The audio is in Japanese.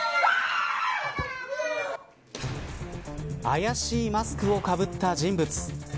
あやしいマスクをかぶった人物。